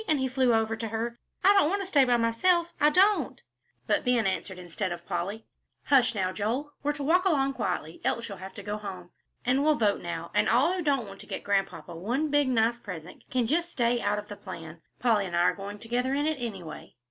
and he flew over to her. "I don't want to stay by myself, I don't." But Ben answered instead of Polly. "Hush now, Joel, we're to walk along quietly, else you'll have to go home. And we'll vote now, and all who don't want to get Grandpapa one big, nice present, can just stay out of the plan. Polly and I are going together in it, anyway."